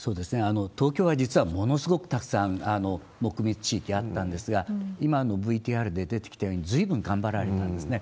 東京は実はものすごくたくさん木密地域あったんですが、今のＶＴＲで出てきたように、ずいぶん頑張られたんですね。